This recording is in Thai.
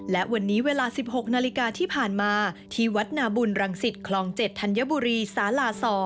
และวันนี้เวลา๑๖นาฬิกาที่ผ่านมาที่วัดนาบุญรังสิตคลอง๗ธัญบุรีสาลา๒